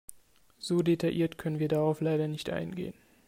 So detailliert können wir darauf leider nicht eingehen.